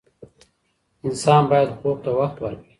انسان باید خوب ته وخت ورکړي.